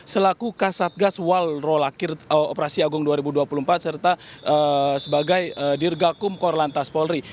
selaku kasatgas walrola operasi agung dua ribu dua puluh empat serta sebagai dirgakum korlantas polri